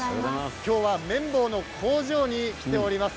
今日は綿棒の工場に来ております。